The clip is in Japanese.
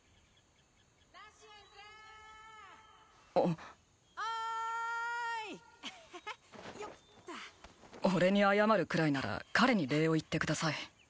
ナシエンスおいアハハッよっと俺に謝るくらいなら彼に礼を言ってください